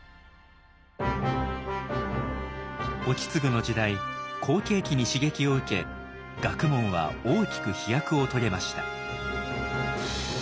意次の時代好景気に刺激を受け学問は大きく飛躍を遂げました。